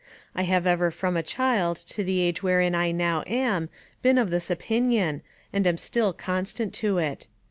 I have ever from a child to the age wherein I now am, been of this opinion, and am still constant to it.